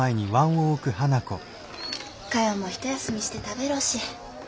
かよも一休みして食べろし。